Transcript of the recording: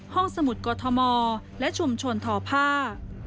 ห้องสมุทรกอทมและชุมชนทอพ่า